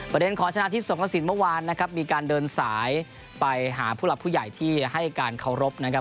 ประเด็นของชนะทิพย์สงกระสินเมื่อวานนะครับมีการเดินสายไปหาผู้หลักผู้ใหญ่ที่ให้การเคารพนะครับ